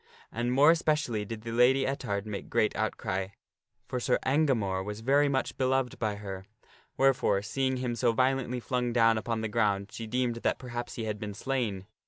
And more especially did the Lady Ettard make great outcry ; for Sir Engamore was very much beloved by her ; wherefore, seeing him so violently flung down upon the ground, she deemed that perhaps he had been slain.